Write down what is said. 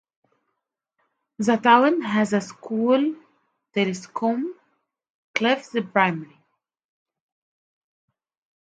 The town has a school, Telscombe Cliffs Primary.